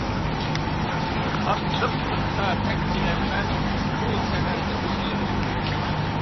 تاتلىقلىقتا تەڭ كېلەلمەس ئۇ، سەھەردىكى شېرىن ئۇيقۇغا.